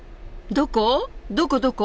どこどこ？